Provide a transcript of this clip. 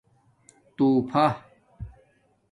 توفہ